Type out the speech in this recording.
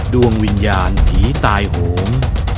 ดวงวิญญาณผีตายโหง